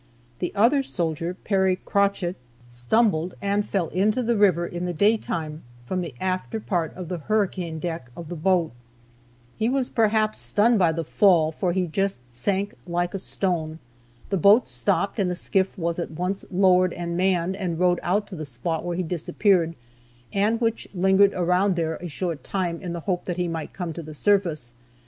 The other soldier, Perry Crochett, stumbled and fell into the river in the day time, from the after part of the hurricane deck of the boat. He was perhaps stunned by the fall, for he just sank like a stone. The boats stopped, and a skiff was at once lowered and manned, and rowed out to the spot where he disappeared, and which lingered around there a short time, in the hope that he might come to the surface.